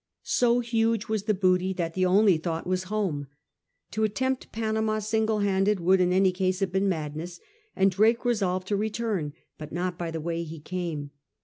So huge was the booty that the only thought was home. To attempt Panama single handed would in any case have been madness, and Drake resolved to return, but not by the way he came.